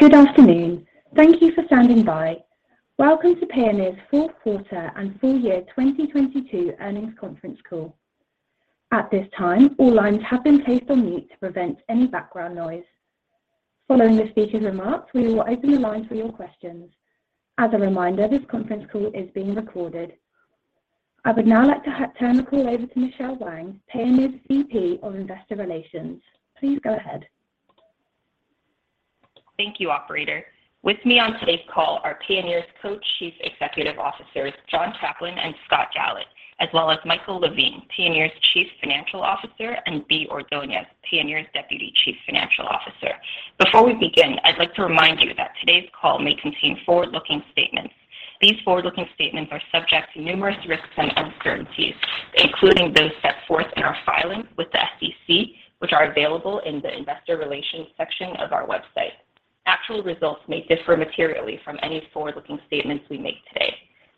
Good afternoon. Thank you for standing by. Welcome to Payoneer's fourth quarter and full year 2022 earnings conference call. At this time, all lines have been placed on mute to prevent any background noise. Following the speaker's remarks, we will open the line for your questions. As a reminder, this conference call is being recorded. I would now like to turn the call over to Michelle Wang, Payoneer's VP of Investor Relations. Please go ahead. Thank you, operator. With me on today's call are Payoneer's Co-Chief Executive Officers, John Caplan and Scott Galit, as well as Michael Levine, Payoneer's Chief Financial Officer, and Bea Ordonez, Payoneer's Deputy Chief Financial Officer. Before we begin, I'd like to remind you that today's call may contain forward-looking statements. These forward-looking statements are subject to numerous risks and uncertainties, including those set forth in our filings with the SEC, which are available in the Investor Relations section of our website. Actual results may differ materially from any forward-looking statements we make today.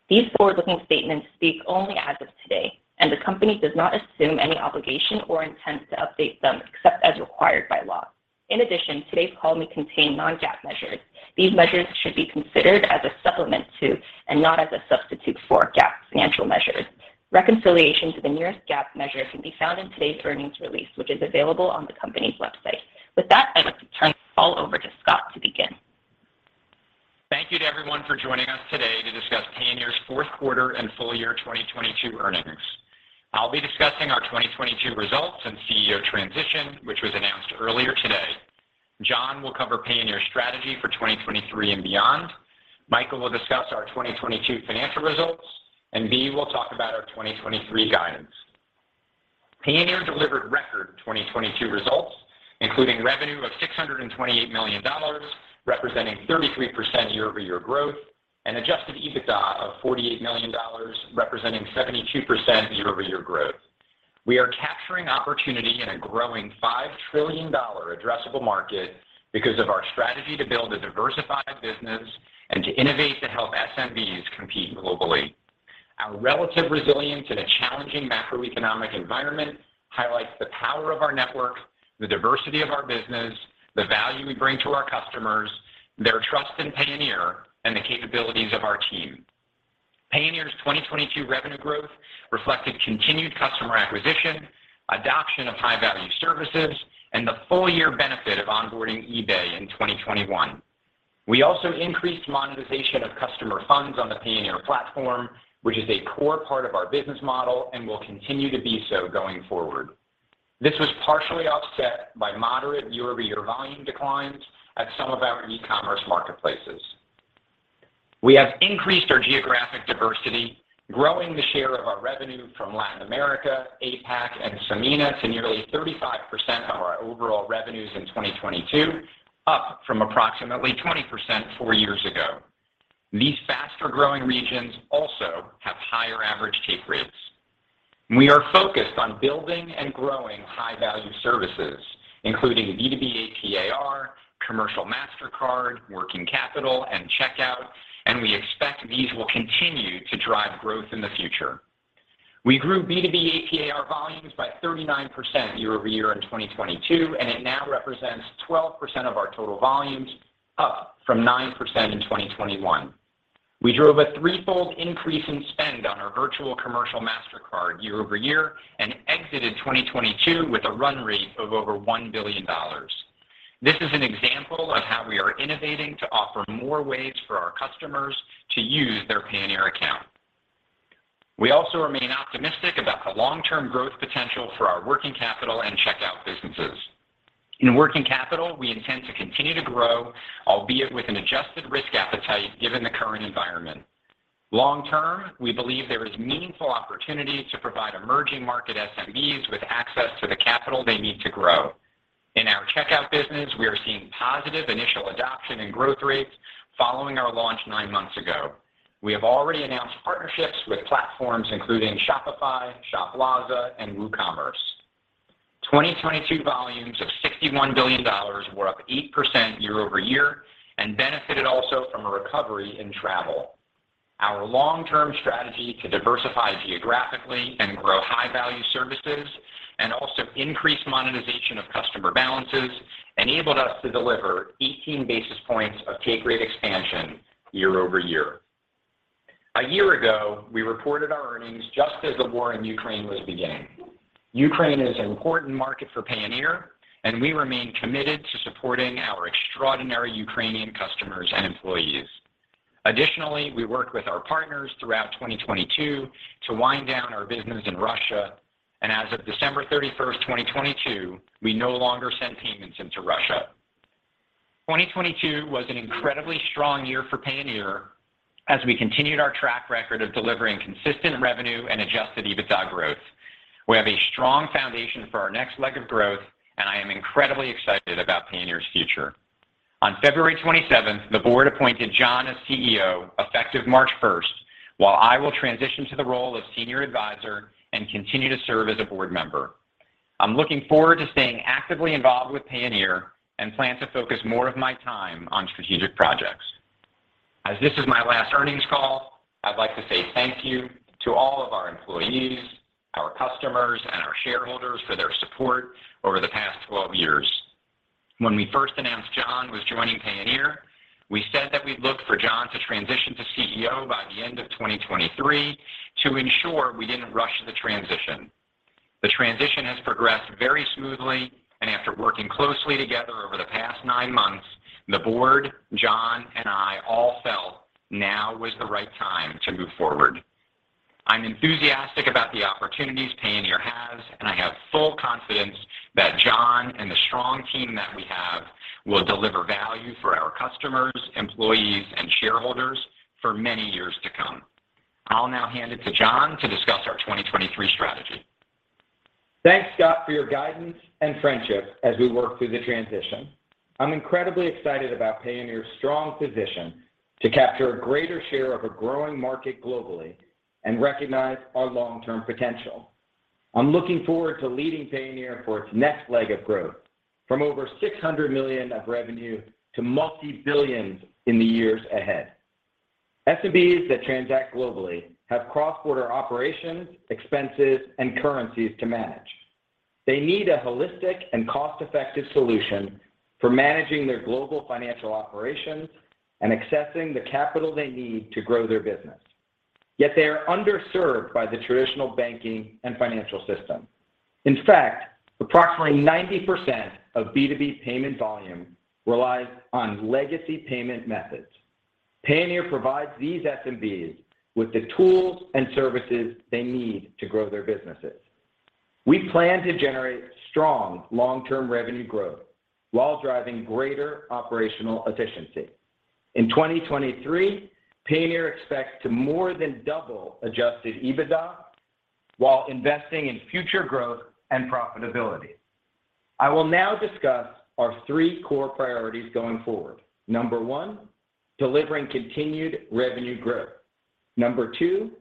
These forward-looking statements speak only as of today, and the company does not assume any obligation or intent to update them except as required by law. In addition, today's call may contain non-GAAP measures. These measures should be considered as a supplement to, and not as a substitute for, GAAP financial measures. Reconciliation to the nearest GAAP measure can be found in today's earnings release, which is available on the company's website. With that, I'd like to turn the call over to Scott to begin. Thank you to everyone for joining us today to discuss Payoneer's fourth quarter and full year 2022 earnings. I'll be discussing our 2022 results and CEO transition, which was announced earlier today. John will cover Payoneer's strategy for 2023 and beyond. Michael will discuss our 2022 financial results, and Bea will talk about our 2023 guidance. Payoneer delivered record 2022 results, including revenue of $628 million, representing 33% year-over-year growth and Adjusted EBITDA of $48 million, representing 72% year-over-year growth. We are capturing opportunity in a growing $5 trillion addressable market because of our strategy to build a diversified business and to innovate to help SMBs compete globally. Our relative resilience in a challenging macroeconomic environment highlights the power of our network, the diversity of our business, the value we bring to our customers, their trust in Payoneer, and the capabilities of our team. Payoneer's 2022 revenue growth reflected continued customer acquisition, adoption of high-value services, and the full year benefit of onboarding eBay in 2021. We also increased monetization of customer funds on the Payoneer platform, which is a core part of our business model and will continue to be so going forward. This was partially offset by moderate year-over-year volume declines at some of our e-commerce marketplaces. We have increased our geographic diversity, growing the share of our revenue from Latin America, APAC, and CEMEA to nearly 35% of our overall revenues in 2022, up from approximately 20% four years ago. These faster-growing regions also have higher average take rates. We are focused on building and growing high-value services, including B2B AP/AR, commercial Mastercard, working capital, and checkout. We expect these will continue to drive growth in the future. We grew B2B AP/AR volumes by 39% year-over-year in 2022, and it now represents 12% of our total volumes, up from 9% in 2021. We drove a threefold increase in spend on our virtual commercial Mastercard year-over-year and exited 2022 with a run rate of over $1 billion. This is an example of how we are innovating to offer more ways for our customers to use their Payoneer account. We also remain optimistic about the long-term growth potential for our working capital and checkout businesses. In working capital, we intend to continue to grow, albeit with an adjusted risk appetite given the current environment. Long-term, we believe there is meaningful opportunity to provide emerging market SMBs with access to the capital they need to grow. In our checkout business, we are seeing positive initial adoption and growth rates following our launch nine months ago. We have already announced partnerships with platforms including Shopify, Shoplazza, and WooCommerce. 2022 volumes of $61 billion were up 8% year-over-year and benefited also from a recovery in travel. Our long-term strategy to diversify geographically and grow high-value services and also increase monetization of customer balances enabled us to deliver 18 basis points of take rate expansion year-over-year. A year ago, we reported our earnings just as the war in Ukraine was beginning. Ukraine is an important market for Payoneer, and we remain committed to supporting our extraordinary Ukrainian customers and employees. Additionally, we worked with our partners throughout 2022 to wind down our business in Russia, and as of December 31, 2022, we no longer send payments into Russia. 2022 was an incredibly strong year for Payoneer as we continued our track record of delivering consistent revenue and Adjusted EBITDA growth. We have a strong foundation for our next leg of growth, and I am incredibly excited about Payoneer's future. On February 27, the board appointed John as CEO effective March 1, while I will transition to the role of senior advisor and continue to serve as a board member. I'm looking forward to staying actively involved with Payoneer and plan to focus more of my time on strategic projects. As this is my last earnings call, I'd like to say thank you to all of our employees, our customers, and our shareholders for their support over the past 12 years. When we first announced John was joining Payoneer, we said that we'd look for John to transition to CEO by the end of 2023 to ensure we didn't rush the transition. The transition has progressed very smoothly, and after working closely together over the past 9 months, the board, John, and I all felt now was the right time to move forward. I'm enthusiastic about the opportunities Payoneer has, and I have full confidence that John and the strong team that we have will deliver value for our customers, employees, and shareholders for many years to come. I'll now hand it to John to discuss our 2023 strategy. Thanks, Scott, for your guidance and friendship as we work through the transition. I'm incredibly excited about Payoneer's strong position to capture a greater share of a growing market globally and recognize our long-term potential. I'm looking forward to leading Payoneer for its next leg of growth from over $600 million of revenue to multi-billions in the years ahead. SMBs that transact globally have cross-border operations, expenses, and currencies to manage. They need a holistic and cost-effective solution for managing their global financial operations and accessing the capital they need to grow their business. Yet they are underserved by the traditional banking and financial system. In fact, approximately 90% of B2B payment volume relies on legacy payment methods. Payoneer provides these SMBs with the tools and services they need to grow their businesses. We plan to generate strong long-term revenue growth while driving greater operational efficiency. In 2023, Payoneer expects to more than double Adjusted EBITDA while investing in future growth and profitability. I will now discuss our three core priorities going forward. Number one, delivering continued revenue growth. Number two,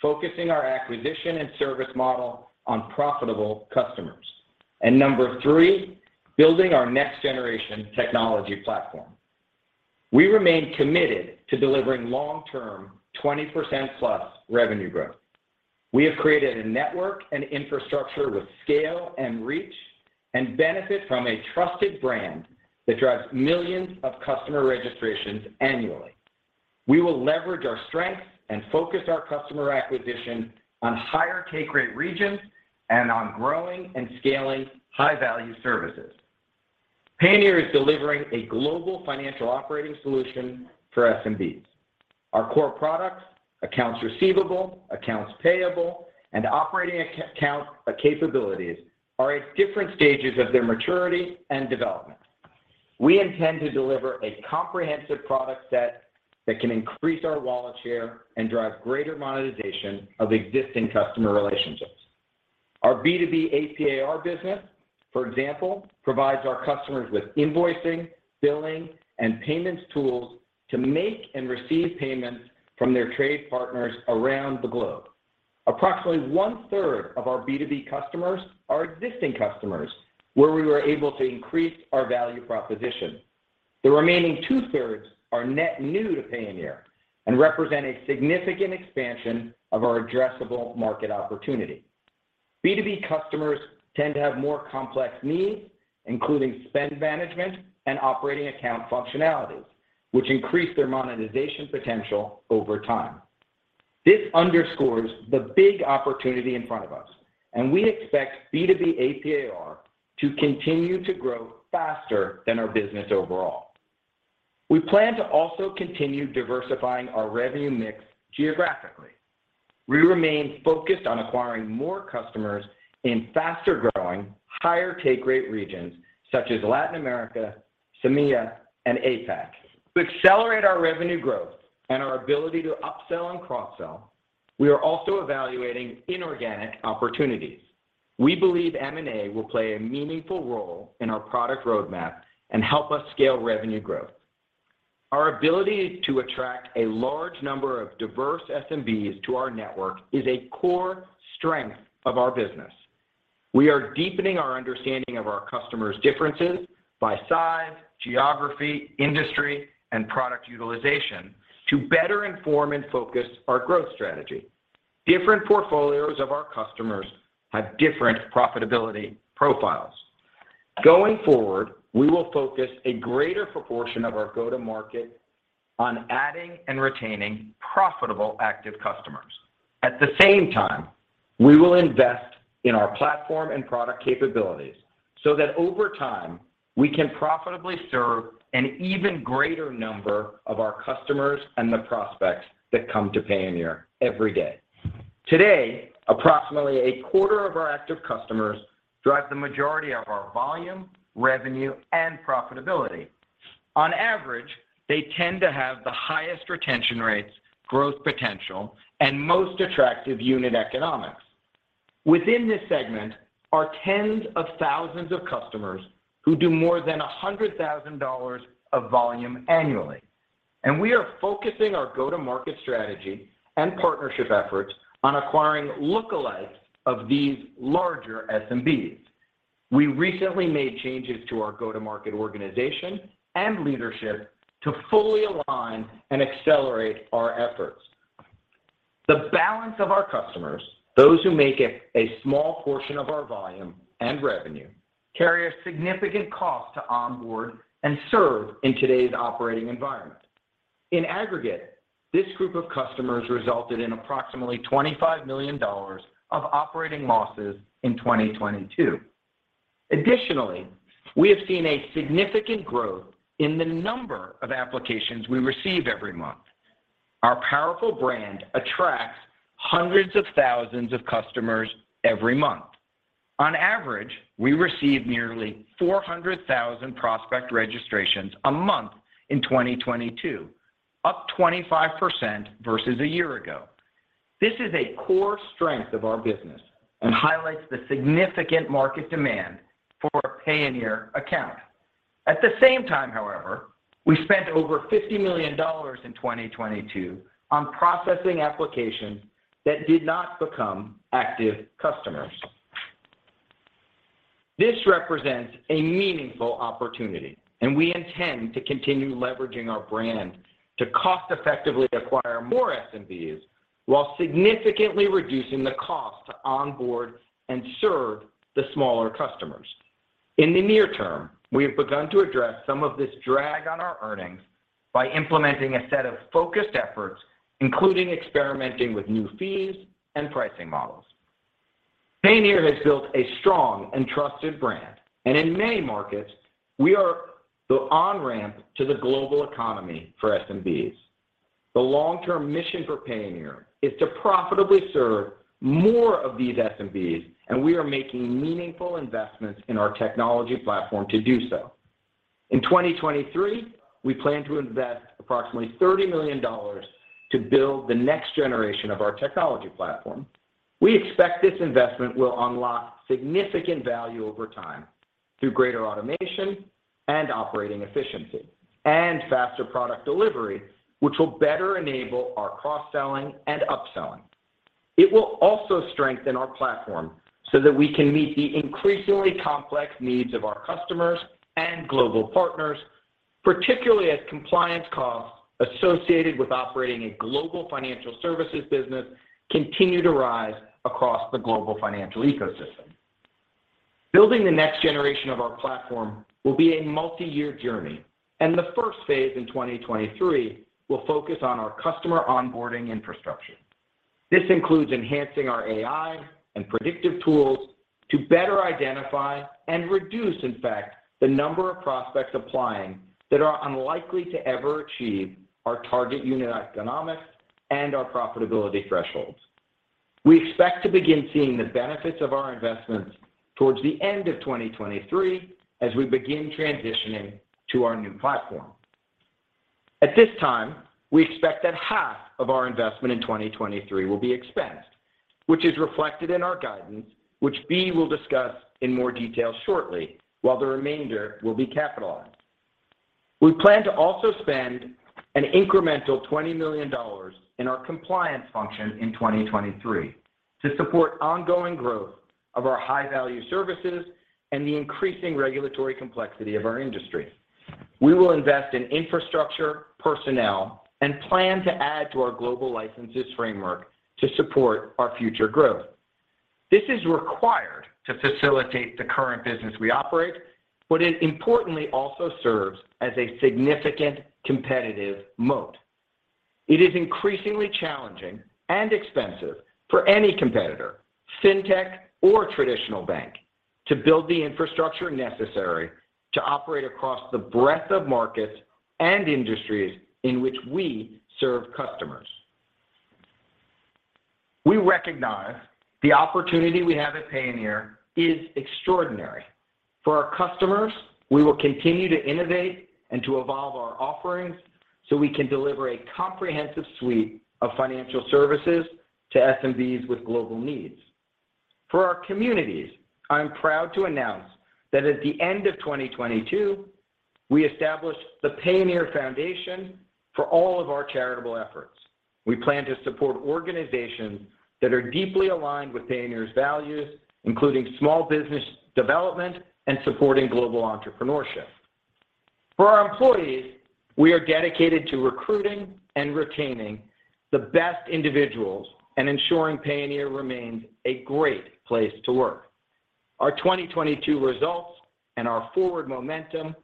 focusing our acquisition and service model on profitable customers. Number three, building our next-generation technology platform. We remain committed to delivering long-term 20%+ revenue growth. We have created a network and infrastructure with scale and reach and benefit from a trusted brand that drives millions of customer registrations annually. We will leverage our strengths and focus our customer acquisition on higher take rate regions and on growing and scaling high-value services. Payoneer is delivering a global financial operating solution for SMBs. Our core products, Accounts Receivable, Accounts Payable, and operating account capabilities are at different stages of their maturity and development. We intend to deliver a comprehensive product set that can increase our wallet share and drive greater monetization of existing customer relationships. Our B2B AP/AR business, for example, provides our customers with invoicing, billing, and payments tools to make and receive payments from their trade partners around the globe. Approximately 1/3 of our B2B customers are existing customers where we were able to increase our value proposition. The remaining 2/3 are net new to Payoneer and represent a significant expansion of our addressable market opportunity. B2B customers tend to have more complex needs, including spend management and operating account functionalities, which increase their monetization potential over time. This underscores the big opportunity in front of us, and we expect B2B AP/AR to continue to grow faster than our business overall. We plan to also continue diversifying our revenue mix geographically. We remain focused on acquiring more customers in faster-growing, higher take-rate regions such as Latin America, CEMEA, and APAC. To accelerate our revenue growth and our ability to upsell and cross-sell, we are also evaluating inorganic opportunities. We believe M&A will play a meaningful role in our product roadmap and help us scale revenue growth. Our ability to attract a large number of diverse SMBs to our network is a core strength of our business. We are deepening our understanding of our customers' differences by size, geography, industry, and product utilization to better inform and focus our growth strategy. Different portfolios of our customers have different profitability profiles. Going forward, we will focus a greater proportion of our go-to-market on adding and retaining profitable active customers. At the same time, we will invest in our platform and product capabilities so that over time, we can profitably serve an even greater number of our customers and the prospects that come to Payoneer every day. Today, approximately a quarter of our active customers drive the majority of our volume, revenue, and profitability. On average, they tend to have the highest retention rates, growth potential, and most attractive unit economics. Within this segment are tens of thousands of customers who do more than $100,000 of volume annually. We are focusing our go-to-market strategy and partnership efforts on acquiring lookalikes of these larger SMBs. We recently made changes to our go-to-market organization and leadership to fully align and accelerate our efforts. The balance of our customers, those who make it a small portion of our volume and revenue, carry a significant cost to onboard and serve in today's operating environment. In aggregate, this group of customers resulted in approximately $25 million of operating losses in 2022. We have seen a significant growth in the number of applications we receive every month. Our powerful brand attracts hundreds of thousands of customers every month. On average, we receive nearly 400,000 prospect registrations a month in 2022, up 25% versus a year ago. This is a core strength of our business and highlights the significant market demand for a Payoneer account. At the same time, however, we spent over $50 million in 2022 on processing applications that did not become active customers. This represents a meaningful opportunity, we intend to continue leveraging our brand to cost-effectively acquire more SMBs while significantly reducing the cost to onboard and serve the smaller customers. In the near term, we have begun to address some of this drag on our earnings by implementing a set of focused efforts, including experimenting with new fees and pricing models. Payoneer has built a strong and trusted brand, in many markets we are the on-ramp to the global economy for SMBs. The long-term mission for Payoneer is to profitably serve more of these SMBs, we are making meaningful investments in our technology platform to do so. In 2023, we plan to invest approximately $30 million to build the next generation of our technology platform. We expect this investment will unlock significant value over time through greater automation and operating efficiency and faster product delivery, which will better enable our cross-selling and upselling. It will also strengthen our platform so that we can meet the increasingly complex needs of our customers and global partners, particularly as compliance costs associated with operating a global financial services business continue to rise across the global financial ecosystem. Building the next generation of our platform will be a multi-year journey. The first phase in 2023 will focus on our customer onboarding infrastructure. This includes enhancing our AI and predictive tools to better identify and reduce, in fact, the number of prospects applying that are unlikely to ever achieve our target unit economics and our profitability thresholds. We expect to begin seeing the benefits of our investments towards the end of 2023 as we begin transitioning to our new platform. At this time, we expect that half of our investment in 2023 will be expensed, which is reflected in our guidance, which Bea will discuss in more detail shortly, while the remainder will be capitalized. We plan to also spend an incremental $20 million in our compliance function in 2023 to support ongoing growth of our high-value services and the increasing regulatory complexity of our industry. We will invest in infrastructure, personnel, and plan to add to our global licenses framework to support our future growth. It importantly also serves as a significant competitive moat. It is increasingly challenging and expensive for any competitor, fintech or traditional bank, to build the infrastructure necessary to operate across the breadth of markets and industries in which we serve customers. We recognize the opportunity we have at Payoneer is extraordinary. For our customers, we will continue to innovate and to evolve our offerings so we can deliver a comprehensive suite of financial services to SMBs with global needs. For our communities, I am proud to announce that at the end of 2022, we established the Payoneer Foundation for all of our charitable efforts. We plan to support organizations that are deeply aligned with Payoneer's values, including small business development and supporting global entrepreneurship. For our employees, we are dedicated to recruiting and retaining the best individuals and ensuring Payoneer remains a great place to work. Our 2022 results and our forward momentum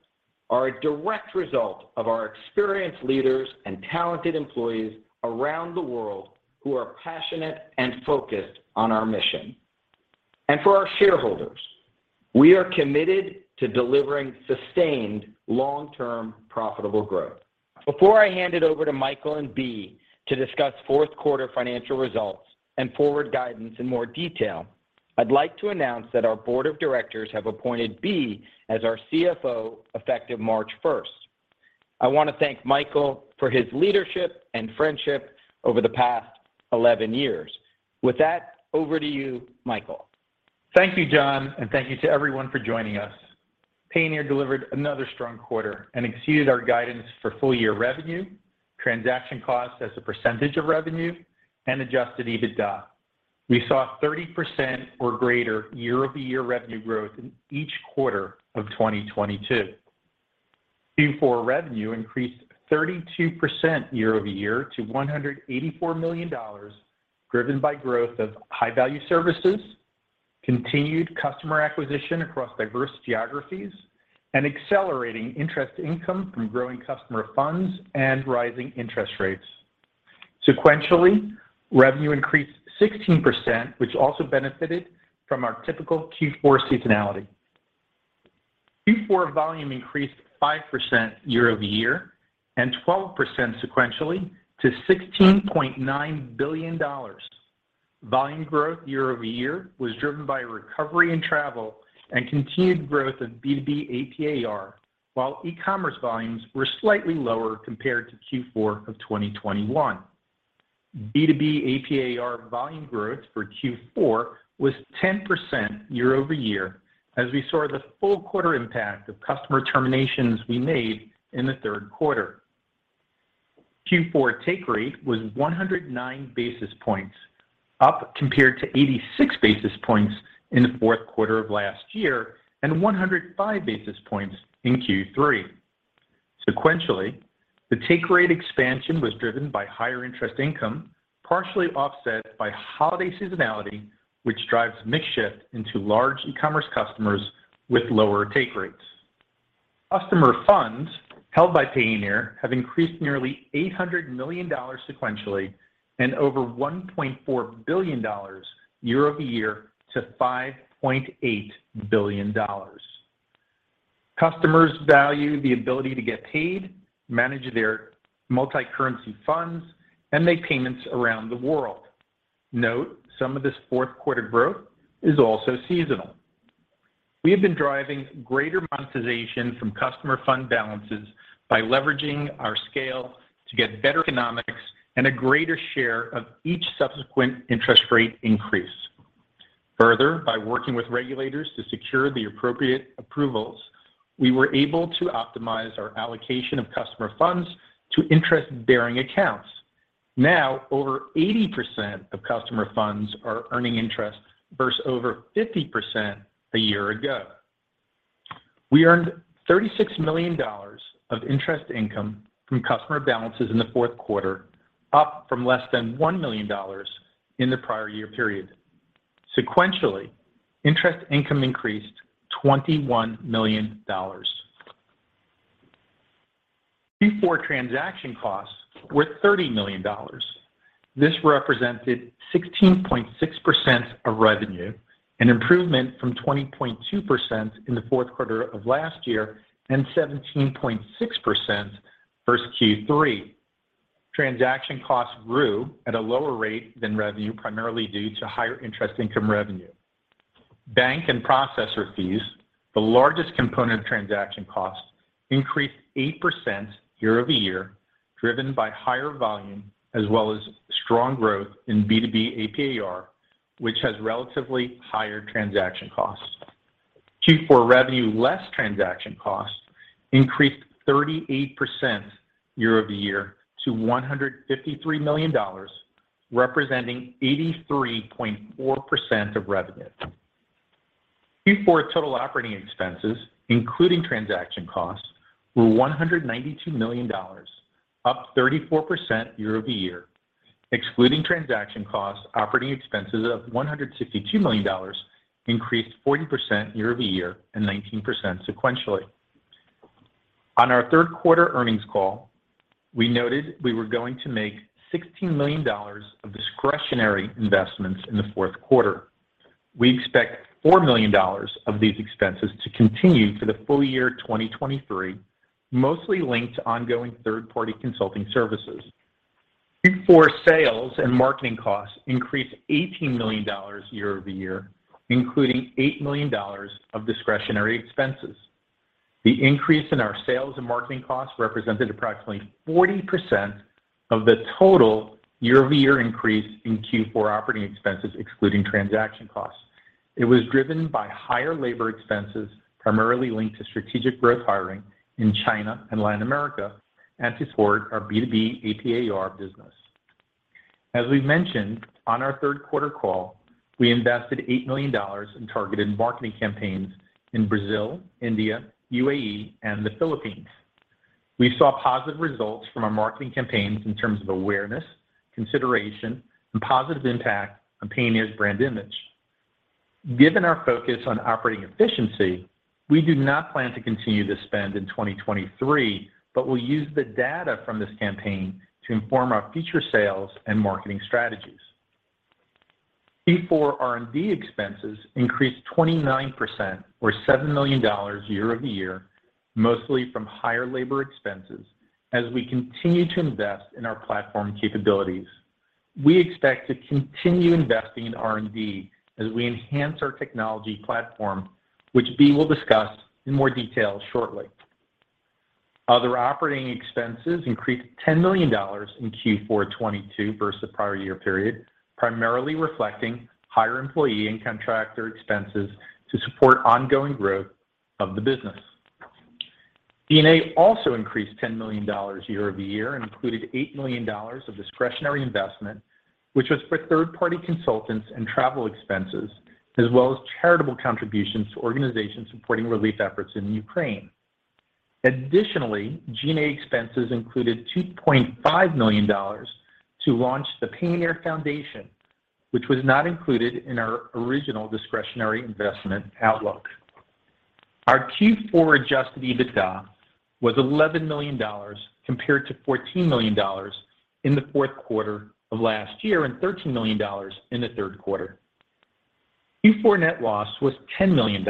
are a direct result of our experienced leaders and talented employees around the world who are passionate and focused on our mission. For our shareholders, we are committed to delivering sustained long-term profitable growth. Before I hand it over to Michael and Bea to discuss fourth quarter financial results and forward guidance in more detail, I'd like to announce that our board of directors have appointed Bea as our CFO effective March first. I want to thank Michael for his leadership and friendship over the past 11 years. With that, over to you, Michael. Thank you, John, and thank you to everyone for joining us. Payoneer delivered another strong quarter and exceeded our guidance for full-year revenue, transaction costs as a % of revenue, and Adjusted EBITDA. We saw 30% or greater year-over-year revenue growth in each quarter of 2022. Q4 revenue increased 32% year-over-year to $184 million, driven by growth of high-value services, continued customer acquisition across diverse geographies, and accelerating interest income from growing customer funds and rising interest rates. Sequentially, revenue increased 16%, which also benefited from our typical Q4 seasonality. Q4 volume increased 5% year-over-year and 12% sequentially to $16.9 billion. Volume growth year-over-year was driven by recovery in travel and continued growth of B2B AP/AR, while e-commerce volumes were slightly lower compared to Q4 of 2021. B2B AP/AR volume growth for Q4 was 10% year-over-year as we saw the full quarter impact of customer terminations we made in the third quarter. Q4 take rate was 109 basis points, up compared to 86 basis points in the fourth quarter of last year and 105 basis points in Q3. Sequentially, the take rate expansion was driven by higher interest income, partially offset by holiday seasonality, which drives mix shift into large e-commerce customers with lower take rates. Customer funds held by Payoneer have increased nearly $800 million sequentially and over $1.4 billion year-over-year to $5.8 billion. Customers value the ability to get paid, manage their multi-currency funds, and make payments around the world. Note some of this fourth quarter growth is also seasonal. We have been driving greater monetization from customer fund balances by leveraging our scale to get better economics and a greater share of each subsequent interest rate increase. By working with regulators to secure the appropriate approvals, we were able to optimize our allocation of customer funds to interest-bearing accounts. Over 80% of customer funds are earning interest versus over 50% a year ago. We earned $36 million of interest income from customer balances in the fourth quarter, up from less than $1 million in the prior year period. Sequentially, interest income increased $21 million. Q4 transaction costs were $30 million. This represented 16.6% of revenue, an improvement from 20.2% in the fourth quarter of last year and 17.6% versus Q3. Transaction costs grew at a lower rate than revenue, primarily due to higher interest income revenue. Bank and processor fees, the largest component of transaction costs, increased 8% year-over-year, driven by higher volume as well as strong growth in B2B AP/AR, which has relatively higher transaction costs. Q4 revenue less transaction costs increased 38% year-over-year to $153 million, representing 83.4% of revenue. Q4 total operating expenses, including transaction costs, were $192 million, up 34% year-over-year. Excluding transaction costs, operating expenses of $162 million increased 40% year-over-year and 19% sequentially. On our third quarter earnings call, we noted we were going to make $16 million of discretionary investments in the fourth quarter. We expect $4 million of these expenses to continue for the full year 2023, mostly linked to ongoing third-party consulting services. Q4 sales and marketing costs increased $18 million year-over-year, including $8 million of discretionary expenses. The increase in our sales and marketing costs represented approximately 40% of the total year-over-year increase in Q4 operating expenses excluding transaction costs. It was driven by higher labor expenses, primarily linked to strategic growth hiring in China and Latin America, and to support our B2B AP/AR business. As we mentioned on our third quarter call, we invested $8 million in targeted marketing campaigns in Brazil, India, UAE, and the Philippines. We saw positive results from our marketing campaigns in terms of awareness, consideration, and positive impact on Payoneer's brand image. Given our focus on operating efficiency, we do not plan to continue this spend in 2023, but will use the data from this campaign to inform our future sales and marketing strategies. Q4 R&D expenses increased 29% or $7 million year-over-year, mostly from higher labor expenses as we continue to invest in our platform capabilities. We expect to continue investing in R&D as we enhance our technology platform, which Bea will discuss in more detail shortly. Other operating expenses increased $10 million in Q4 '22 versus the prior year period, primarily reflecting higher employee and contractor expenses to support ongoing growth of the business. G&A also increased $10 million year-over-year and included $8 million of discretionary investment, which was for third-party consultants and travel expenses, as well as charitable contributions to organizations supporting relief efforts in Ukraine. Additionally, G&A expenses included $2.5 million to launch the Payoneer Foundation, which was not included in our original discretionary investment outlook. Our Q4 Adjusted EBITDA was $11 million compared to $14 million in the fourth quarter of last year and $13 million in the third quarter. Q4 net loss was $10 million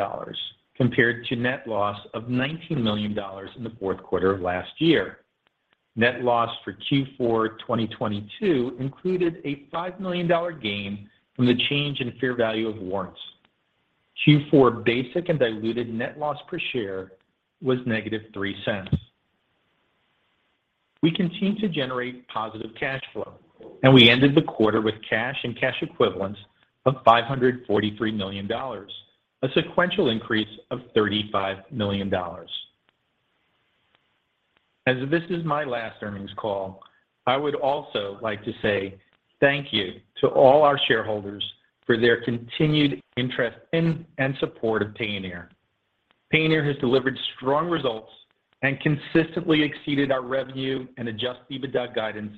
compared to net loss of $19 million in the fourth quarter of last year. Net loss for Q4 2022 included a $5 million gain from the change in fair value of warrants. Q4 basic and diluted net loss per share was -$0.03. We continue to generate positive cash flow, and we ended the quarter with cash and cash equivalents of $543 million, a sequential increase of $35 million. As this is my last earnings call, I would also like to say thank you to all our shareholders for their continued interest in and support of Payoneer. Payoneer has delivered strong results and consistently exceeded our revenue and Adjusted EBITDA guidance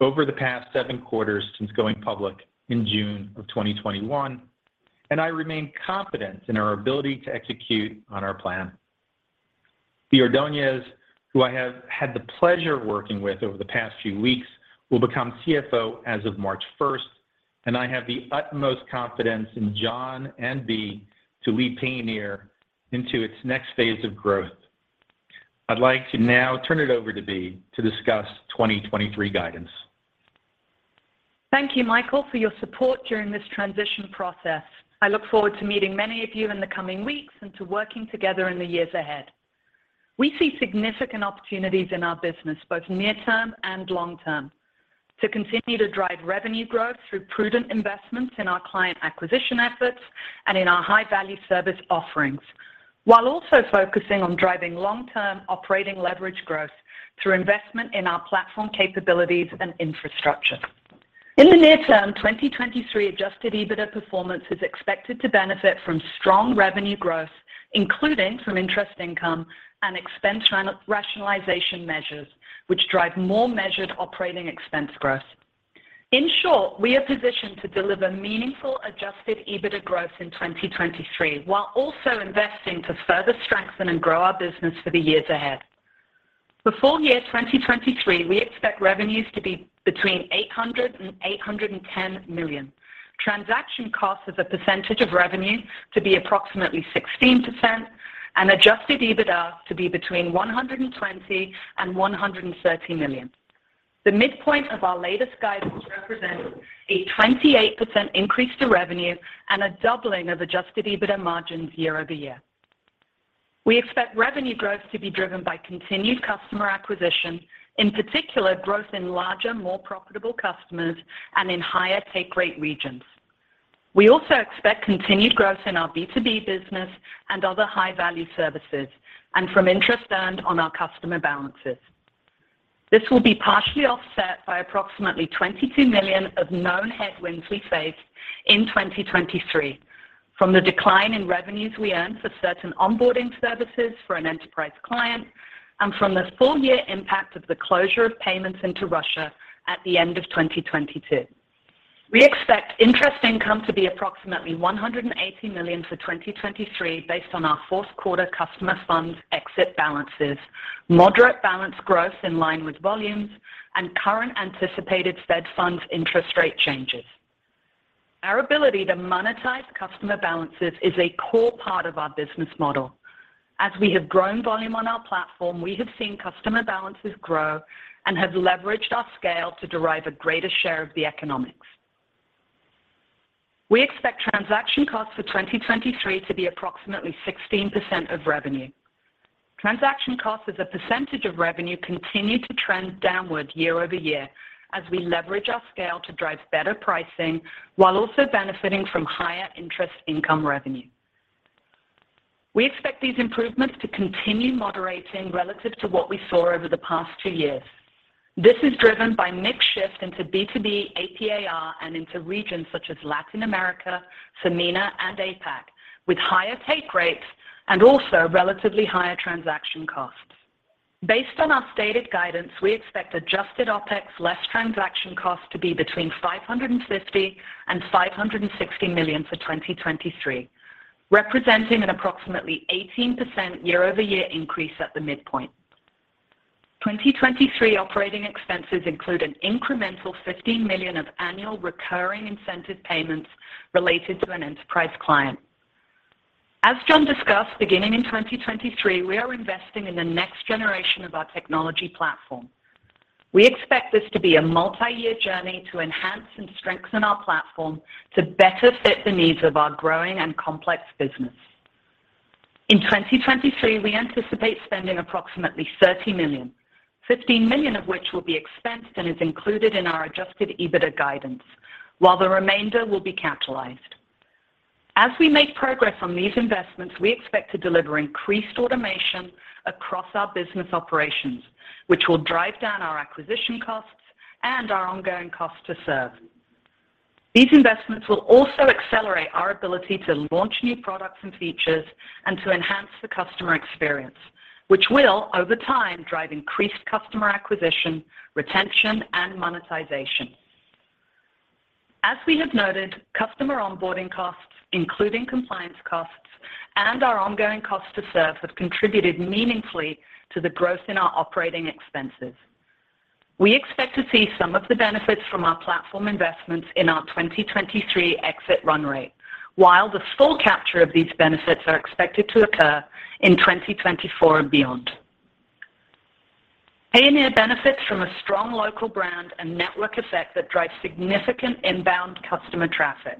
over the past 7 quarters since going public in June of 2021. I remain confident in our ability to execute on our plan. Bea Ordonez, who I have had the pleasure of working with over the past few weeks, will become CFO as of March 1st. I have the utmost confidence in John and Bea to lead Payoneer into its next phase of growth. I'd like to now turn it over to Bea to discuss 2023 guidance. Thank you, Michael, for your support during this transition process. I look forward to meeting many of you in the coming weeks and to working together in the years ahead. We see significant opportunities in our business, both near term and long term, to continue to drive revenue growth through prudent investments in our client acquisition efforts and in our high-value service offerings, while also focusing on driving long-term operating leverage growth through investment in our platform capabilities and infrastructure. In the near term, 2023 Adjusted EBITDA performance is expected to benefit from strong revenue growth, including from interest income and expense rationalization measures which drive more measured operating expense growth. In short, we are positioned to deliver meaningful Adjusted EBITDA growth in 2023, while also investing to further strengthen and grow our business for the years ahead. For full year 2023, we expect revenues to be between $800 million-$810 million. Transaction costs as a percentage of revenue to be approximately 16% and Adjusted EBITDA to be between $120 million-$130 million. The midpoint of our latest guidance represents a 28% increase to revenue and a doubling of Adjusted EBITDA margins year-over-year. We expect revenue growth to be driven by continued customer acquisition, in particular growth in larger, more profitable customers and in higher take-rate regions. We also expect continued growth in our B2B business and other high-value services and from interest earned on our customer balances. This will be partially offset by approximately $22 million of known headwinds we face in 2023 from the decline in revenues we earn for certain onboarding services for an enterprise client and from the full year impact of the closure of payments into Russia at the end of 2022. We expect interest income to be approximately $180 million for 2023 based on our Q4 customer funds exit balances, moderate balance growth in line with volumes and current anticipated Fed Funds interest rate changes. Our ability to monetize customer balances is a core part of our business model. As we have grown volume on our platform, we have seen customer balances grow and have leveraged our scale to derive a greater share of the economics. We expect transaction costs for 2023 to be approximately 16% of revenue. Transaction costs as a percentage of revenue continue to trend downward year-over-year as we leverage our scale to drive better pricing while also benefiting from higher interest income revenue. We expect these improvements to continue moderating relative to what we saw over the past two years. This is driven by mix shift into B2B AP/AR and into regions such as Latin America, MENA and APAC, with higher take rates and also relatively higher transaction costs. Based on our stated guidance, we expect Adjusted OpEx less transaction costs to be between $550 million and $560 million for 2023, representing an approximately 18% year-over-year increase at the midpoint. 2023 operating expenses include an incremental $50 million of annual recurring incentive payments related to an enterprise client. As John discussed, beginning in 2023, we are investing in the next generation of our technology platform. We expect this to be a multi-year journey to enhance and strengthen our platform to better fit the needs of our growing and complex business. In 2023, we anticipate spending approximately $30 million, $15 million of which will be expensed and is included in our Adjusted EBITDA guidance, while the remainder will be capitalized. As we make progress on these investments, we expect to deliver increased automation across our business operations, which will drive down our acquisition costs and our ongoing cost to serve. These investments will also accelerate our ability to launch new products and features and to enhance the customer experience, which will, over time, drive increased customer acquisition, retention, and monetization. As we have noted, customer onboarding costs, including compliance costs and our ongoing cost to serve, have contributed meaningfully to the growth in our operating expenses. We expect to see some of the benefits from our platform investments in our 2023 exit run rate, while the full capture of these benefits are expected to occur in 2024 and beyond. Payoneer benefits from a strong local brand and network effect that drives significant inbound customer traffic.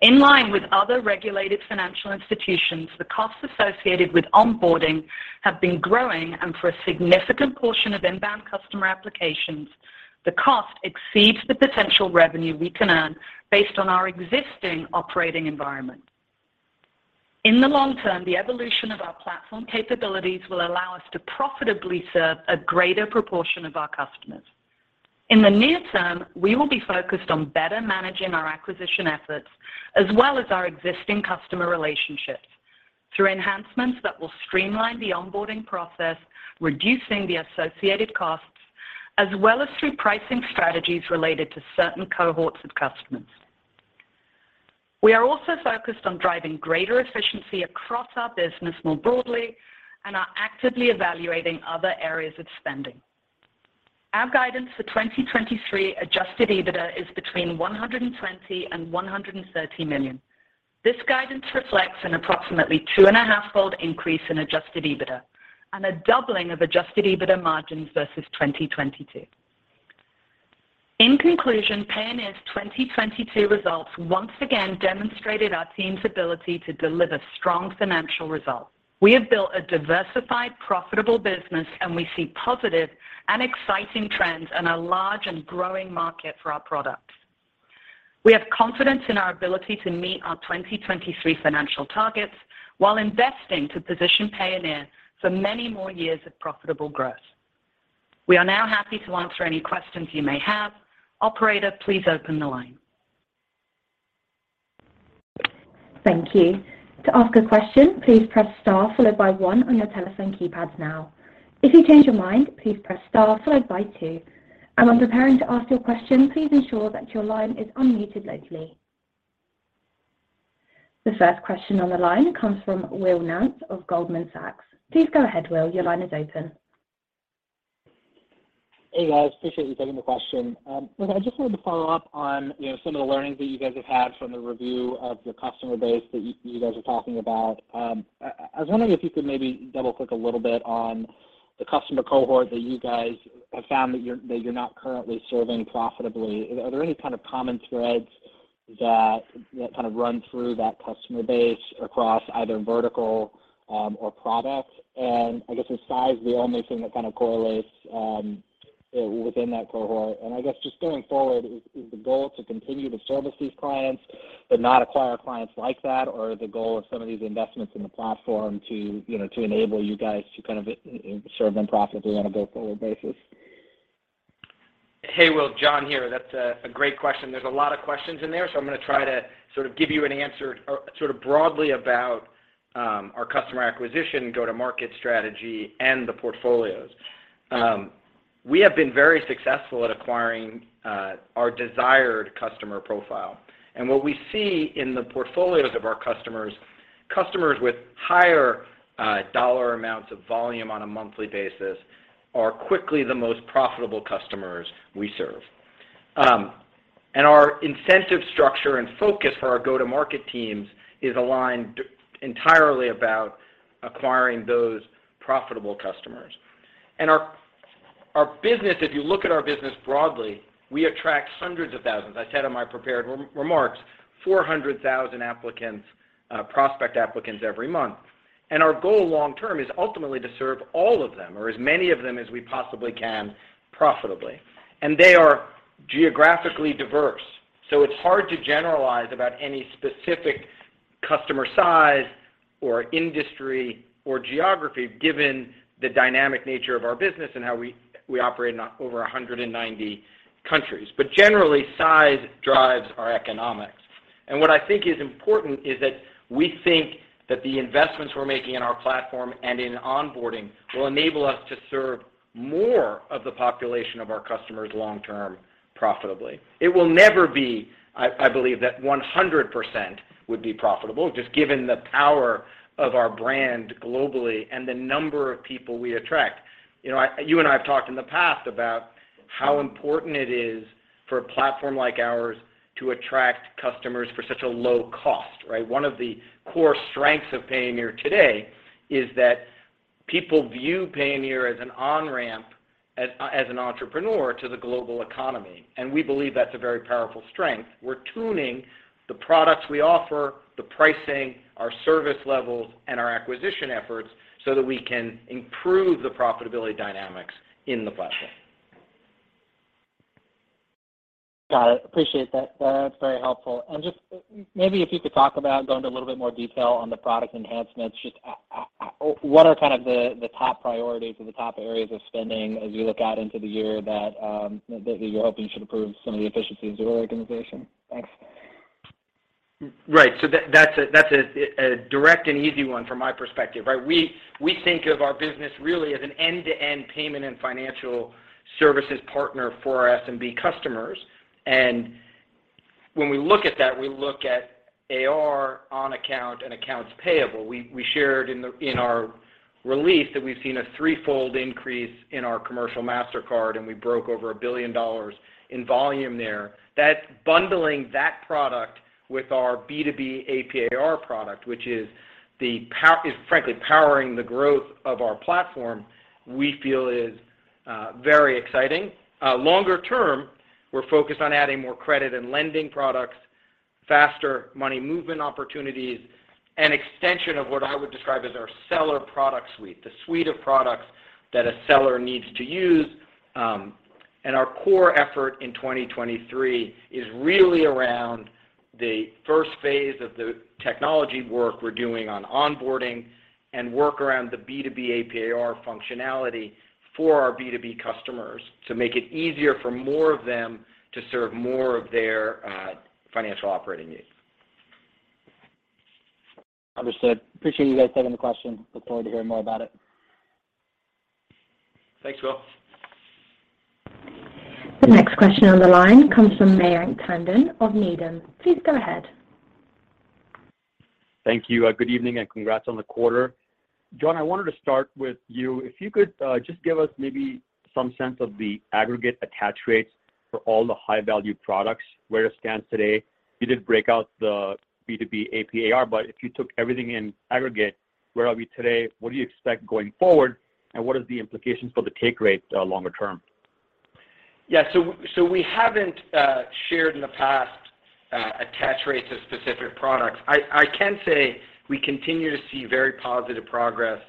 In line with other regulated financial institutions, the costs associated with onboarding have been growing, and for a significant portion of inbound customer applications, the cost exceeds the potential revenue we can earn based on our existing operating environment. In the long term, the evolution of our platform capabilities will allow us to profitably serve a greater proportion of our customers. In the near term, we will be focused on better managing our acquisition efforts as well as our existing customer relationships through enhancements that will streamline the onboarding process, reducing the associated costs, as well as through pricing strategies related to certain cohorts of customers. We are also focused on driving greater efficiency across our business more broadly and are actively evaluating other areas of spending. Our guidance for 2023 Adjusted EBITDA is between $120 million and $130 million. This guidance reflects an approximately 2.5-fold increase in Adjusted EBITDA and a doubling of Adjusted EBITDA margins versus 2022. In conclusion, Payoneer's 2022 results once again demonstrated our team's ability to deliver strong financial results. We have built a diversified, profitable business and we see positive and exciting trends in a large and growing market for our products. We have confidence in our ability to meet our 2023 financial targets while investing to position Payoneer for many more years of profitable growth. We are now happy to answer any questions you may have. Operator, please open the line. Thank you. To ask a question, please press star followed by one on your telephone keypad now. If you change your mind, please press star followed by two. When preparing to ask your question, please ensure that your line is unmuted locally. The first question on the line comes from Will Nance of Goldman Sachs. Please go ahead, Will. Your line is open. Hey, guys. Appreciate you taking the question. look, I just wanted to follow up on, you know, some of the learnings that you guys have had from the review of the customer base that you guys are talking about. I was wondering if you could maybe double-click a little bit on the customer cohort that you guys have found that you're not currently serving profitably. Are there any kind of common threads that kind of run through that customer base across either vertical, or products? I guess, is size the only thing that kind of correlates, within that cohort? I guess just going forward, is the goal to continue to service these clients but not acquire clients like that? Is the goal of some of these investments in the platform to, you know, to enable you guys to kind of serve them profitably on a go-forward basis? Hey, Will. John here. That's a great question. There's a lot of questions in there, so I'm gonna try to sort of give you an answer, sort of broadly about our customer acquisition, go-to-market strategy, and the portfolios. We have been very successful at acquiring our desired customer profile. What we see in the portfolios of our customers with higher dollar amounts of volume on a monthly basis are quickly the most profitable customers we serve. Our incentive structure and focus for our go-to-market teams is aligned entirely about acquiring those profitable customers. Our business, if you look at our business broadly, we attract hundreds of thousands. I said in my prepared remarks, 400,000 applicants, prospect applicants every month. Our goal long term is ultimately to serve all of them or as many of them as we possibly can profitably. They are geographically diverse, so it's hard to generalize about any specific customer size or industry or geography given the dynamic nature of our business and how we operate in over 190 countries. Generally, size drives our economics. What I think is important is that we think that the investments we're making in our platform and in onboarding will enable us to serve more of the population of our customers long-term profitably. It will never be, I believe, that 100% would be profitable, just given the power of our brand globally and the number of people we attract. You know, you and I have talked in the past about how important it is for a platform like ours to attract customers for such a low cost, right? One of the core strengths of Payoneer today is that people view Payoneer as an on-ramp as an entrepreneur to the global economy. We believe that's a very powerful strength. We're tuning the products we offer, the pricing, our service levels, and our acquisition efforts so that we can improve the profitability dynamics in the platform. Got it. Appreciate that. That's very helpful. Just maybe if you could talk about going to a little bit more detail on the product enhancements. Just what are kind of the top priorities or the top areas of spending as you look out into the year that you're hoping should improve some of the efficiencies of your organization? Thanks. That's a direct and easy one from my perspective, right? We think of our business really as an end-to-end payment and financial services partner for our SMB customers. When we look at that, we look at AR on account and accounts payable. We shared in our release that we've seen a 3-fold increase in our commercial Mastercard, and we broke over $1 billion in volume there. That's bundling that product with our B2B AP/AR product, which is frankly powering the growth of our platform, we feel is very exciting. Longer term, we're focused on adding more credit and lending products, faster money movement opportunities, and extension of what I would describe as our seller product suite, the suite of products that a seller needs to use. Our core effort in 2023 is really around the first phase of the technology work we're doing on onboarding and work around the B2B AP/AR functionality for our B2B customers to make it easier for more of them to serve more of their, financial operating needs. Understood. Appreciate you guys taking the question. Look forward to hearing more about it. Thanks, Will. The next question on the line comes from Mayank Tandon of Needham. Please go ahead. Thank you. Good evening and congrats on the quarter. John, I wanted to start with you. If you could, just give us maybe some sense of the aggregate attach rates for all the high-value products, where it stands today. You did break out the B2B AP/AR, but if you took everything in aggregate, where are we today? What do you expect going forward? What is the implications for the take rate, longer term? Yeah. We haven't shared in the past attach rates of specific products. I can say we continue to see very positive progress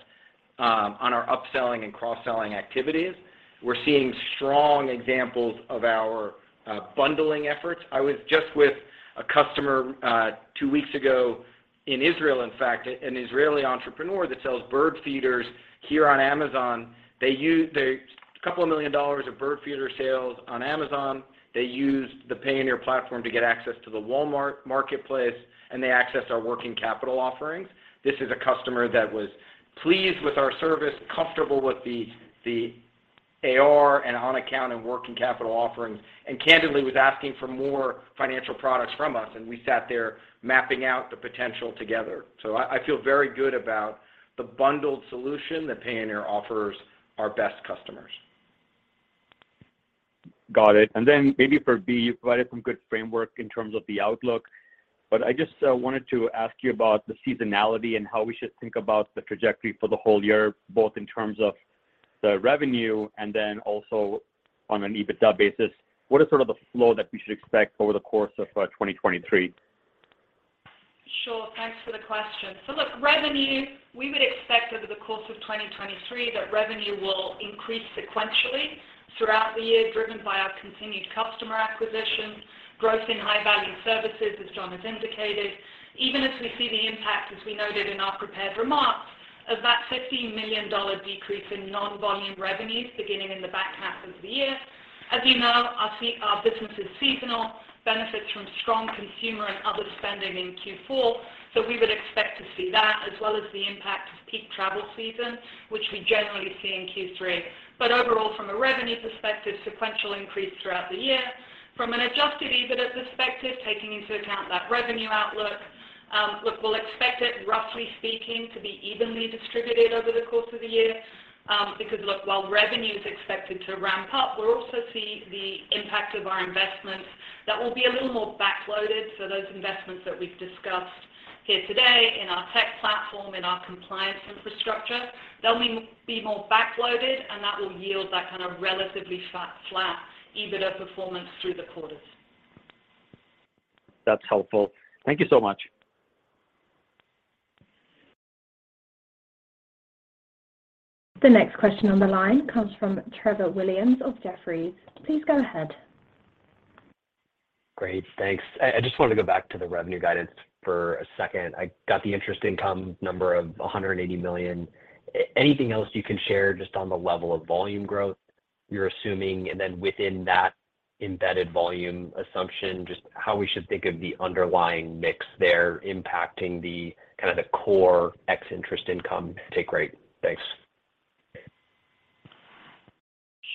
on our upselling and cross-selling activities. We're seeing strong examples of our bundling efforts. I was just with a customer two weeks ago in Israel, in fact, an Israeli entrepreneur that sells bird feeders here on Amazon. A couple of million dollars of bird feeder sales on Amazon. They used the Payoneer platform to get access to the Walmart marketplace, and they accessed our working capital offerings. This is a customer that was pleased with our service, comfortable with the AR and on-account and working capital offerings, and candidly was asking for more financial products from us, and we sat there mapping out the potential together. I feel very good about the bundled solution that Payoneer offers our best customers. Got it. Maybe for Bea, you provided some good framework in terms of the outlook, but I just wanted to ask you about the seasonality and how we should think about the trajectory for the whole year, both in terms of the revenue and then also on an EBITDA basis. What is sort of the flow that we should expect over the course of 2023? Sure. Thanks for the question. Look, revenue, we would expect over the course of 2023 that revenue will increase sequentially throughout the year, driven by our continued customer acquisition, growth in high-value services, as John has indicated. Even as we see the impact, as we noted in our prepared remarks, of that $50 million decrease in non-volume revenues beginning in the back half of the year. As you know, our business is seasonal, benefits from strong consumer and other spending in Q4. We would expect to see that, as well as the impact of peak travel season, which we generally see in Q3. Overall, from a revenue perspective, sequential increase throughout the year. From an Adjusted EBITDA perspective, taking into account that revenue outlook, look, we'll expect it, roughly speaking, to be evenly distributed over the course of the year. Look, while revenue is expected to ramp up, we'll also see the impact of our investments that will be a little more back-loaded. Those investments that we've discussed here today in our tech platform, in our compliance infrastructure, they'll be more back-loaded, and that will yield that kind of relatively flat EBITDA performance through the quarters. That's helpful. Thank you so much. The next question on the line comes from Trevor Williams of Jefferies. Please go ahead. Great. Thanks. I just wanted to go back to the revenue guidance for a second. I got the interest income number of $180 million. Anything else you can share just on the level of volume growth you're assuming? Within that embedded volume assumption, just how we should think of the underlying mix there impacting the kind of the core X interest income take rate? Thanks.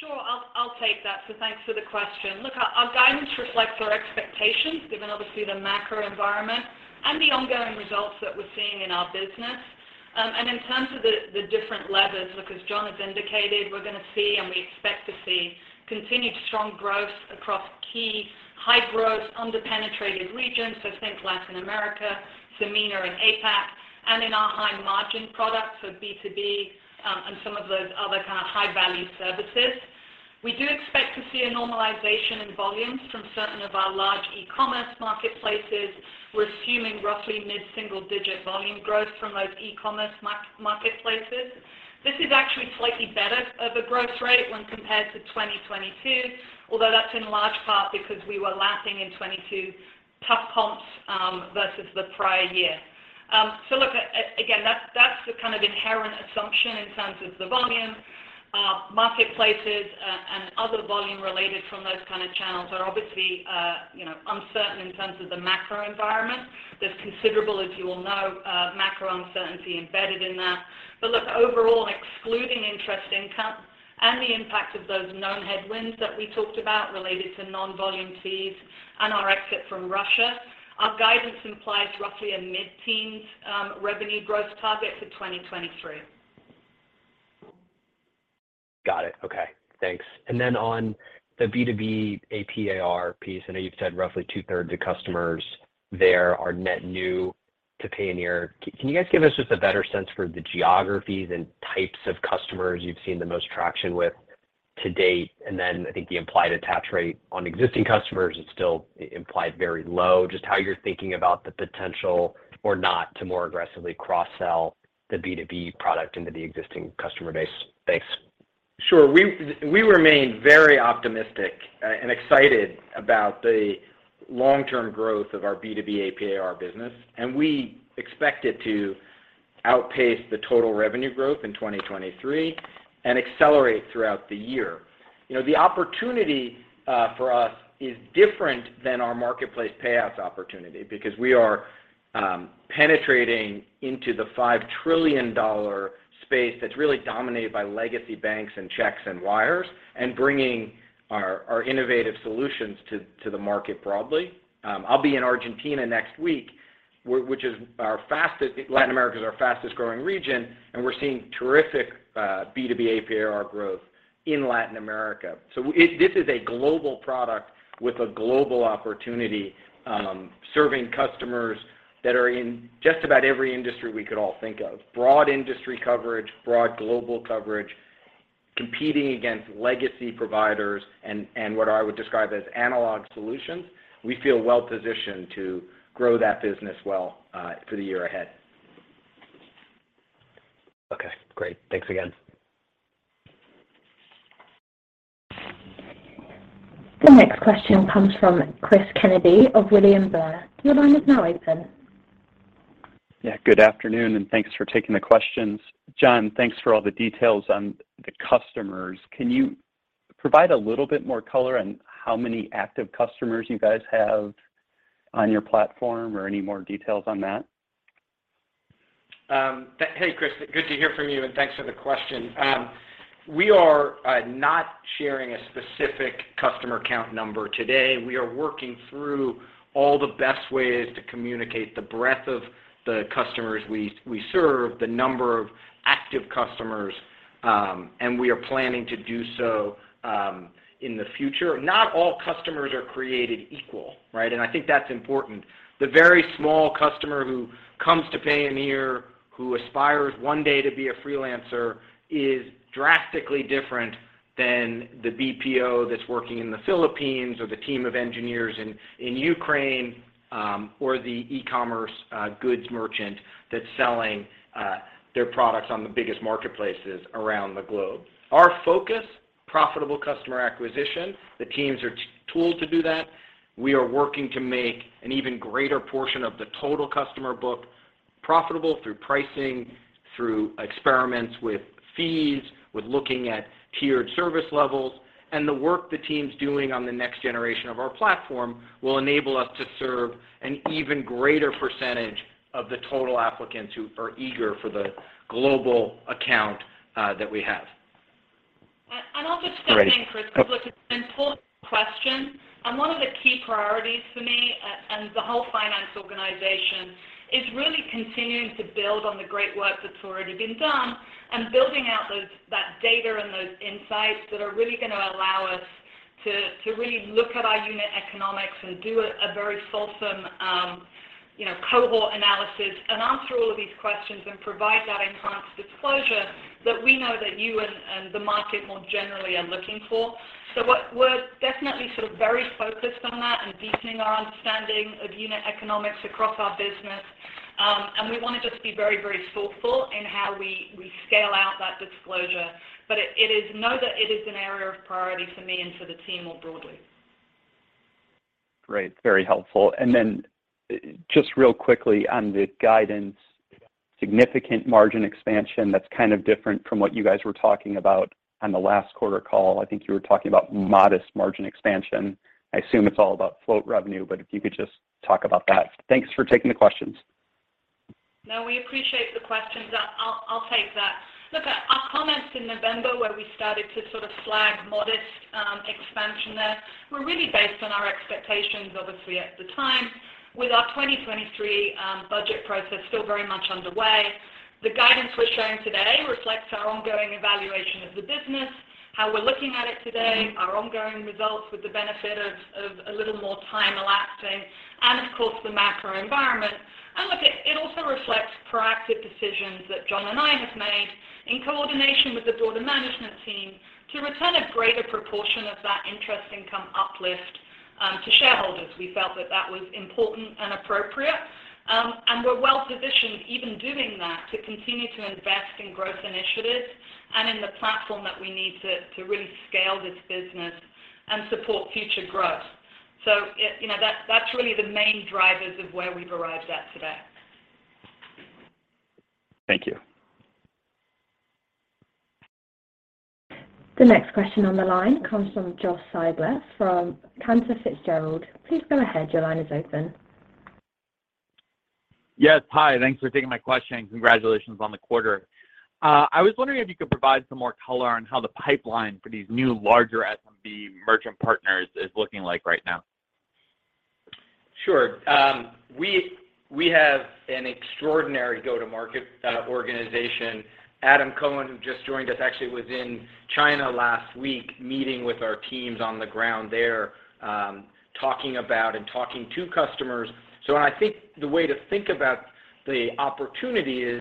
Sure. I'll take that. Thanks for the question. Look, our guidance reflects our expectations given obviously the macro environment and the ongoing results that we're seeing in our business. In terms of the different levers, look, as John has indicated, we're gonna see and we expect to see continued strong growth across key high-growth under-penetrated regions. Think Latin America, CEMEA and APAC, and in our high-margin products, so B2B, and some of those other kind of high-value services. We do expect to see a normalization in volumes from certain of our large e-commerce marketplaces. We're assuming roughly mid-single digit volume growth from those e-commerce marketplaces. This is actually slightly better of a growth rate when compared to 2022, that's in large part because we were lapping in 2022 tough comps versus the prior year. Look, again, that's the kind of inherent assumption in terms of the volume, marketplaces, and other volume related from those kind of channels are obviously, you know, uncertain in terms of the macro environment. There's considerable, as you all know, macro uncertainty embedded in that. Look, overall, excluding interest income and the impact of those known headwinds that we talked about related to non-volume fees and our exit from Russia, our guidance implies roughly a mid-teens revenue growth target for 2023. Got it. Okay. Thanks. Then on the B2B AP/AR piece, I know you've said roughly two-thirds of customers there are net new to Payoneer. Can you guys give us just a better sense for the geographies and types of customers you've seen the most traction with to date? Then I think the implied attach rate on existing customers is still implied very low. Just how you're thinking about the potential or not to more aggressively cross-sell the B2B product into the existing customer base. Thanks. Sure. We remain very optimistic and excited about the long-term growth of our B2B AP/AR business. We expect it to outpace the total revenue growth in 2023 and accelerate throughout the year. You know, the opportunity for us is different than our marketplace payouts opportunity because we are penetrating into the $5 trillion space that's really dominated by legacy banks and checks and wires and bringing our innovative solutions to the market broadly. I'll be in Argentina next week. Latin America is our fastest-growing region. We're seeing terrific B2B AP/AR growth in Latin America. This is a global product with a global opportunity, serving customers that are in just about every industry we could all think of. Broad industry coverage, broad global coverage, competing against legacy providers and what I would describe as analog solutions. We feel well positioned to grow that business well, for the year ahead. Okay, great. Thanks again. The next question comes from Chris Kennedy of William Blair. Your line is now open. Yeah, good afternoon, and thanks for taking the questions. John, thanks for all the details on the customers. Can you provide a little bit more color on how many active customers you guys have on your platform or any more details on that? Hey, Chris. Good to hear from you, and thanks for the question. We are not sharing a specific customer count number today. We are working through all the best ways to communicate the breadth of the customers we serve, the number of active customers, and we are planning to do so in the future. Not all customers are created equal, right? I think that's important. The very small customer who comes to Payoneer, who aspires one day to be a freelancer is drastically different than the BPO that's working in the Philippines or the team of engineers in Ukraine, or the e-commerce goods merchant that's selling their products on the biggest marketplaces around the globe. Our focus, profitable customer acquisition. The teams are tooled to do that. We are working to make an even greater portion of the total customer book profitable through pricing, through experiments with fees, with looking at tiered service levels. The work the team's doing on the next generation of our platform will enable us to serve an even greater percentage of the total applicants who are eager for the global account that we have. I'll just jump in, Chris. Great. Look, it's an important question. One of the key priorities for me and the whole finance organization is really continuing to build on the great work that's already been done and building out that data and those insights that are really gonna allow us to really look at our unit economics and do a very fulsome, you know, cohort analysis and answer all of these questions and provide that enhanced disclosure that we know that you and the market more generally are looking for. We're definitely sort of very focused on that and deepening our understanding of unit economics across our business. We want to just be very, very thoughtful in how we scale out that disclosure. It is. Know that it is an area of priority for me and for the team more broadly. Great. Very helpful. Just real quickly on the guidance, significant margin expansion that's kind of different from what you guys were talking about on the last quarter call. I think you were talking about modest margin expansion. I assume it's all about float revenue, but if you could just talk about that. Thanks for taking the questions. No, we appreciate the questions. I'll take that. Just in November where we started to sort of flag modest expansion there. We're really based on our expectations, obviously, at the time with our 2023 budget process still very much underway. The guidance we're showing today reflects our ongoing evaluation of the business, how we're looking at it today, our ongoing results with the benefit of a little more time elapsing and of course, the macro environment. Look, it also reflects proactive decisions that John and I have made in coordination with the broader management team to return a greater proportion of that interest income uplift to shareholders. We felt that was important and appropriate. We're well-positioned even doing that to continue to invest in growth initiatives and in the platform that we need to really scale this business and support future growth. You know, that's really the main drivers of where we've arrived at today. Thank you. The next question on the line comes from Josh Schimmer from Cantor Fitzgerald. Please go ahead. Your line is open. Yes. Hi. Thanks for taking my question. Congratulations on the quarter. I was wondering if you could provide some more color on how the pipeline for these new larger SMB merchant partners is looking like right now? Sure. We have an extraordinary go-to-market organization. Adam Cohen, who just joined us, actually was in China last week meeting with our teams on the ground there, talking about and talking to customers. When I think the way to think about the opportunity is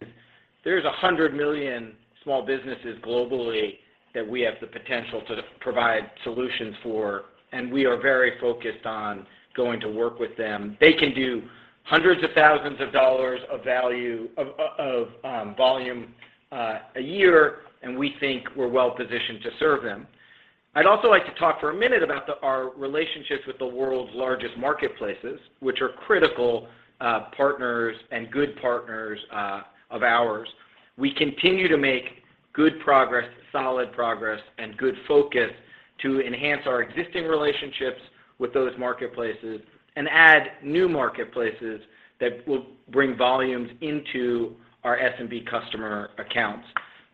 there's 100 million small businesses globally that we have the potential to provide solutions for, and we are very focused on going to work with them. They can do hundreds of thousands of dollars of value of volume a year, and we think we're well positioned to serve them. I'd also like to talk for a minute about our relationships with the world's largest marketplaces, which are critical partners and good partners of ours. We continue to make good progress, solid progress, and good focus to enhance our existing relationships with those marketplaces and add new marketplaces that will bring volumes into our SMB customer accounts.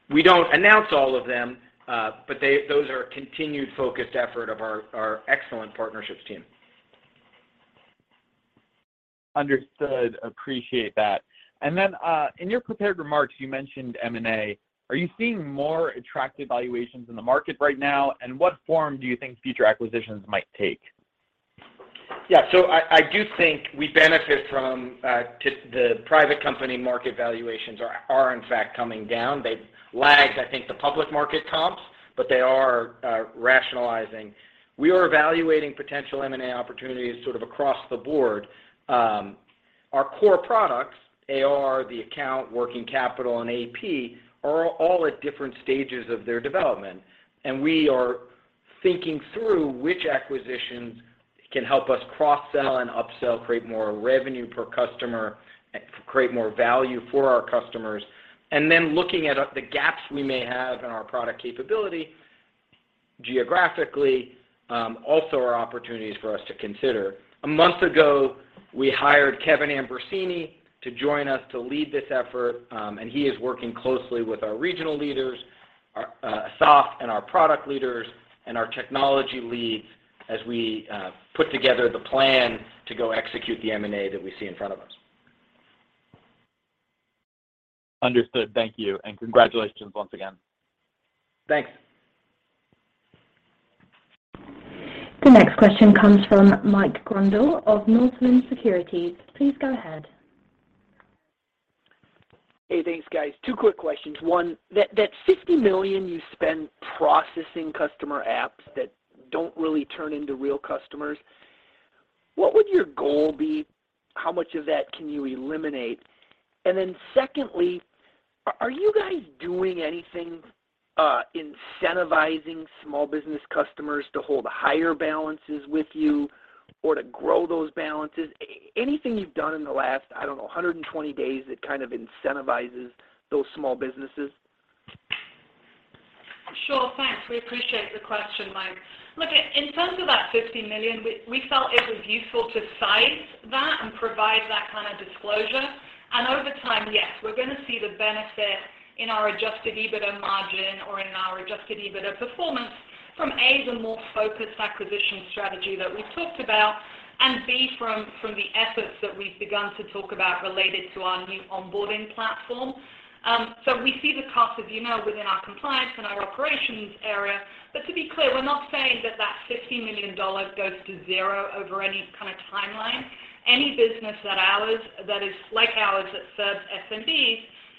We don't announce all of them. Those are a continued focused effort of our excellent partnerships team. Understood. Appreciate that. Then, in your prepared remarks, you mentioned M&A. Are you seeing more attractive valuations in the market right now? What form do you think future acquisitions might take? Yeah. I do think we benefit from, to the private company market valuations are in fact coming down. They've lagged, I think, the public market comps, they are rationalizing. We are evaluating potential M&A opportunities sort of across the board. Our core products, AR, the account, working capital, and AP, are all at different stages of their development, we are thinking through which acquisitions can help us cross-sell and upsell, create more revenue per customer, create more value for our customers. Looking at the gaps we may have in our product capability geographically, also are opportunities for us to consider. A month ago, we hired Kevin Ambrosini to join us to lead this effort, and he is working closely with our regional leaders, our, Assaf and our product leaders and our technology leads as we put together the plan to go execute the M&A that we see in front of us. Understood. Thank you, and congratulations once again. Thanks. The next question comes from Mike Grondahl of Northland Securities. Please go ahead. Hey, thanks, guys. Two quick questions. One, that $50 million you spend processing customer apps that don't really turn into real customers, what would your goal be? How much of that can you eliminate? Secondly, are you guys doing anything incentivizing small business customers to hold higher balances with you or to grow those balances? Anything you've done in the last, I don't know, 120 days that kind of incentivizes those small businesses? Sure. Thanks. We appreciate the question, Mike. Look, in terms of that $50 million, we felt it was useful to size that and provide that kind of disclosure. Over time, yes, we're gonna see the benefit in our Adjusted EBITDA margin or in our Adjusted EBITDA performance from A, the more focused acquisition strategy that we talked about, and B, from the efforts that we've begun to talk about related to our new onboarding platform. So we see the cost of email within our compliance and our operations area. To be clear, we're not saying that $50 million goes to zero over any kind of timeline. Any business that is like ours that serves SMB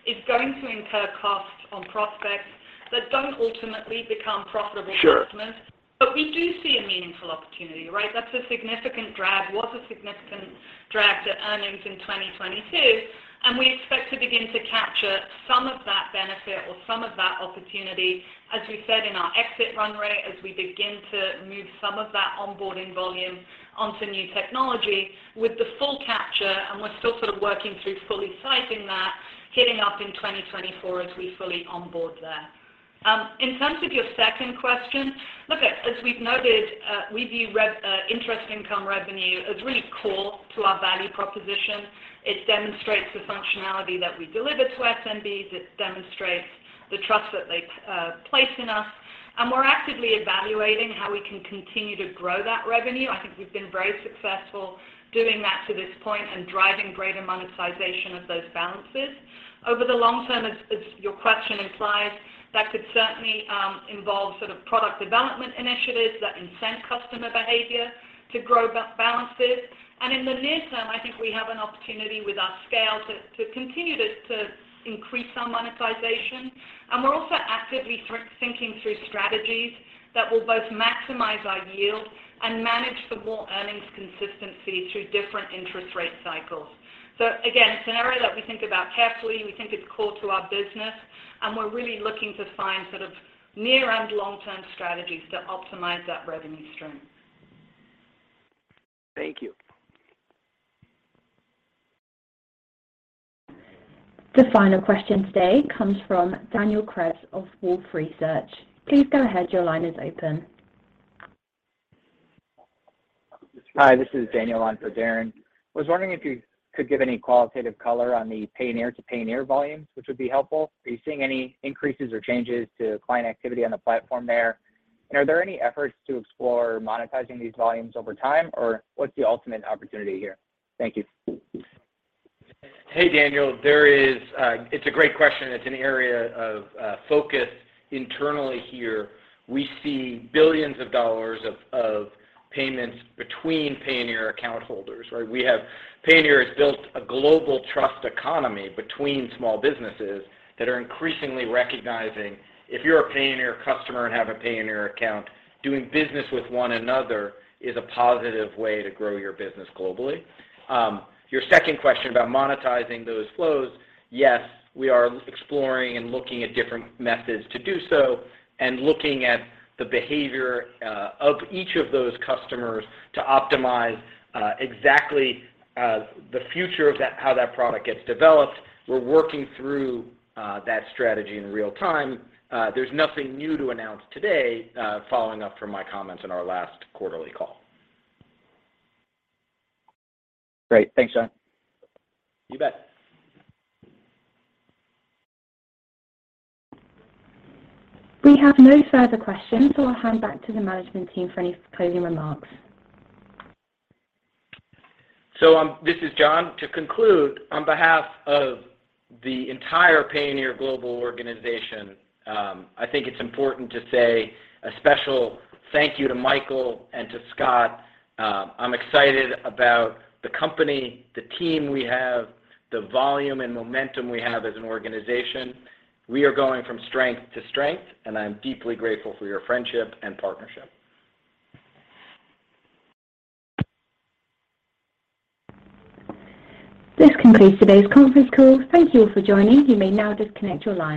is going to incur costs on prospects that don't ultimately become profitable customers. Sure. We do see a meaningful opportunity, right? That's a significant drag, was a significant drag to earnings in 2022, and we expect to begin to capture some of that benefit or some of that opportunity, as we said in our exit run rate, as we begin to move some of that onboarding volume onto new technology with the full capture, and we're still sort of working through fully sizing that, hitting up in 2024 as we fully onboard there. In terms of your second question, look, as we've noted, we view interest income revenue as really core to our value proposition. It demonstrates to functionality hat we deliver to SMBs. It demonstrates the trust that they place in us. We're actively evaluating how we can continue to grow that revenue. I think we've been very successful doing that to this point and driving greater monetization of those balances. Over the long term, as your question implies, that could certainly involve sort of product development initiatives that incent customer behavior to grow balances. In the near term, I think we have an opportunity with our scale to continue to increase our monetization. We're also actively thinking through strategies that will both maximize our yield and manage for more earnings consistency through different interest rate cycles. Again, scenario that we think about carefully, and we think it's core to our business, and we're really looking to find sort of near and long-term strategies to optimize that revenue stream. Thank you. The final question today comes from Daniel Krebs of Wolfe Research. Please go ahead. Your line is open. Hi, this is Daniel on for Darren. Was wondering if you could give any qualitative color on the Payoneer-to-Payoneer volumes, which would be helpful. Are you seeing any increases or changes to client activity on the platform there? Are there any efforts to explore monetizing these volumes over time, or what's the ultimate opportunity here? Thank you. Hey, Daniel, it's a great question. It's an area of focus internally here. We see billions of dollars of payments between Payoneer account holders. Right? Payoneer has built a global trust economy between small businesses that are increasingly recognizing if you're a Payoneer customer and have a Payoneer account, doing business with one another is a positive way to grow your business globally. Your second question about monetizing those flows, yes, we are exploring and looking at different methods to do so and looking at the behavior of each of those customers to optimize exactly the future of that, how that product gets developed. We're working through that strategy in real time. There's nothing new to announce today, following up from my comments on our last quarterly call. Great. Thanks, John. You bet. We have no further questions, so I'll hand back to the management team for any closing remarks. This is John. To conclude, on behalf of the entire Payoneer Global organization, I think it's important to say a special thank you to Michael and to Scott. I'm excited about the company, the team we have, the volume and momentum we have as an organization. We are going from strength to strength, and I am deeply grateful for your friendship and partnership. This concludes today's conference call. Thank you all for joining. You may now disconnect your lines.